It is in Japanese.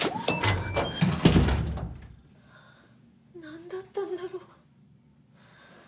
なんだったんだろう？